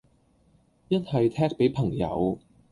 一係 tag 俾朋友